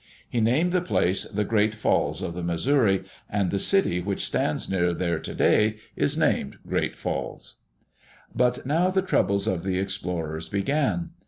He named the place the Great Falls of the Missouri, and the city which stands near there today is named Great Falls. But now the troubles of the explorers began.